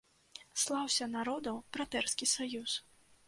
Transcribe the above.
Слаўся, народаў братэрскі саюз!